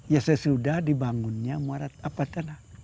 ya sesudah dibangunnya apa tanah